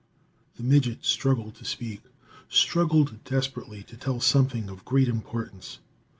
The midget struggled to speak; struggled desperately to tell something of great importance.